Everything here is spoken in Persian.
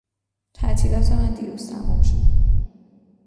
تعطیلات من دیروز تمام شد.